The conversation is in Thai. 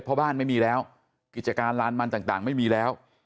เพราะบ้านไม่มีแล้วกิจการลานมันต่างไม่มีแล้ว